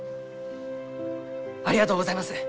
ありがとうございます！